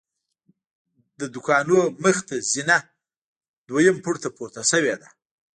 د دوکانونو مخې ته زینه دویم پوړ ته پورته شوې ده.